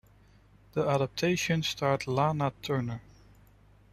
The adaptation starred Lana Turner.